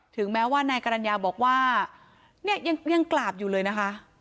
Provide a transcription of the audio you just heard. ถึงแม้ว่านายกรรณญาบอกว่าเนี่ยยังกราบอยู่เลยนะคะ